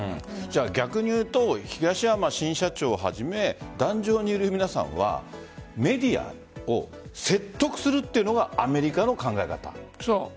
逆にいうと東山新社長はじめ壇上にいる皆さんはメディアを説得するというのがそう。